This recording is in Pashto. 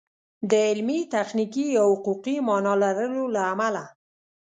د علمي، تخنیکي یا حقوقي مانا لرلو له امله